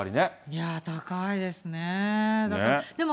いやー、高いですね。